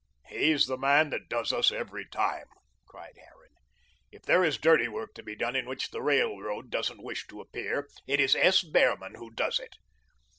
"He's the man that does us every time," cried Harran. "If there is dirty work to be done in which the railroad doesn't wish to appear, it is S. Behrman who does it.